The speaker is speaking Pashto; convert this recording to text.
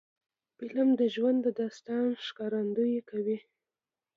فلم د ژوند د داستان ښکارندویي کوي